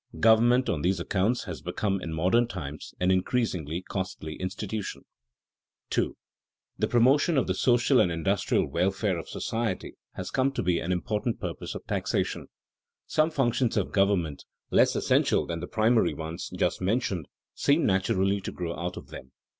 Government on these accounts has become in modern times an increasingly costly institution. [Sidenote: Developing public wants; social and industrial welfare] 2. The promotion of the social and industrial welfare of society has come to be an important purpose of taxation. Some functions of government, less essential than the primary ones just mentioned, seem naturally to grow out of them.